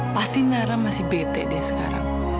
pasti nara masih bete deh sekarang